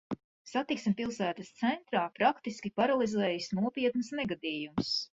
Satiksmi pilsētas centrā praktiski paralizējis nopietns negadījums.